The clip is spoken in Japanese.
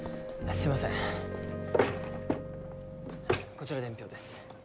こちら伝票です。